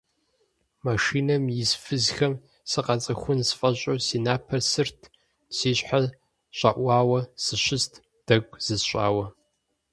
Машинэм ис фызхэм сыкъацӀыхун сфӀэщӀу си напэр сырт, си щхьэр щӀэӀуауэ сыщыст, дэгу зысщӀауэ.